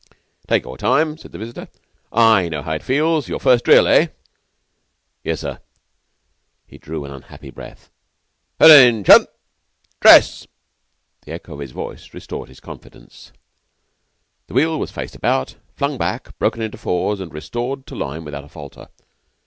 "Take your time," said the visitor. "I know how it feels. Your first drill eh?" "Yes, sir." He drew an unhappy breath. "'Tention. Dress!" The echo of his own voice restored his confidence. The wheel was faced about, flung back, broken into fours, and restored to line without a falter.